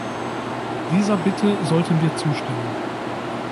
Dieser Bitte sollten wir zustimmen.